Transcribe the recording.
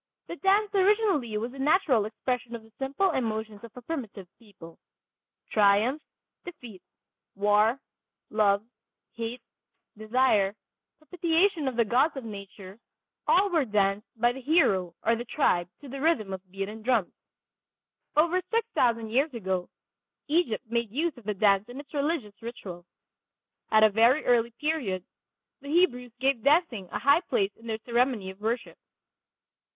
The dance originally was the natural expression of the simple emotions of a primitive people. Triumph, defeat, war, love, hate, desire, propitiation of the gods of nature, all were danced by the hero or the tribe to the rhythm of beaten drums. Over six thousand years ago Egypt made use of the dance in its religious ritual. At a very early period the Hebrews gave dancing a high place in their ceremony of worship.